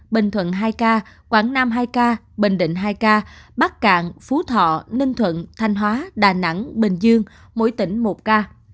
bình định hai ca bắc cạn phú thọ ninh thuận thanh hóa đà nẵng bình dương mỗi tỉnh một ca